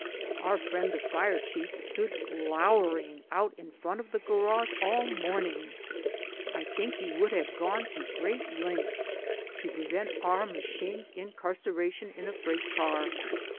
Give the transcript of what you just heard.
Our friend the fire chief stood glowering out in front of the garage all morning. I think he would have gone to great lengths to prevent our machine's incarceration in a freight car.